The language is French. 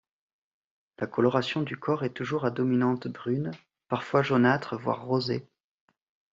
La coloration du corps est toujours à dominante brune, parfois jaunâtre, voire rosée.